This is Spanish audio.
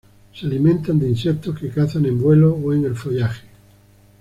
Se alimentan de insectos que cazan en vuelo o en el follaje.